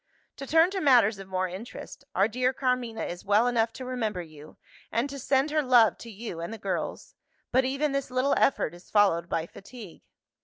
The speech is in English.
To turn to matters of more interest our dear Carmina is well enough to remember you, and to send her love to you and the girls. But even this little effort is followed by fatigue.